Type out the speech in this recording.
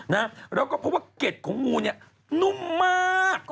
นะแล้วก็พบว่าเก็ดของงูเนี่ยนุ่มมาก